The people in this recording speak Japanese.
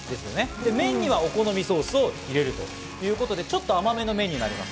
麺にはお好みソースを入れるということで、ちょっと甘めの麺になります。